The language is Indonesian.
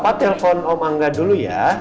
pak telpon om angga dulu ya